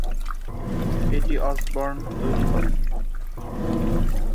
এটি অসবর্ন তৈরী করেন।